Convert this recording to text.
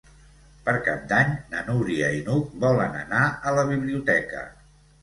Per Cap d'Any na Núria i n'Hug volen anar a la biblioteca.